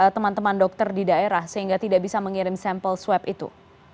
teman teman dokter di daerah sehingga tidak bisa mengirim sampel swab itu